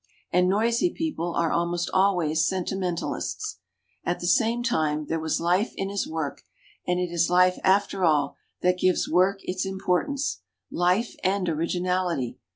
And noisy people are almost always sentimentalists. At the same time, there was life in his work, and it is life, after all, that gives work its im portance ^life and originality.